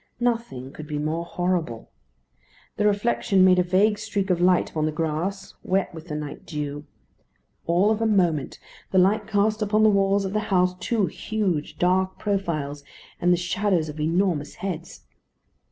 Nothing could be more horrible. The reflection made a vague streak of light upon the grass, wet with the night dew. All of a moment the light cast upon the walls of the house two huge dark profiles, and the shadows of enormous heads.